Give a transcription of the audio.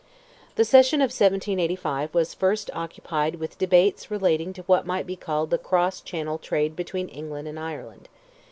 The session of 1785 was first occupied with debates relating to what might be called the cross channel trade between England and Ireland.